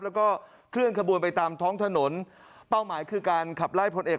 แล้วก็เคลื่อนขบวนไปตามท้องถนนเป้าหมายคือการขับไล่พลเอก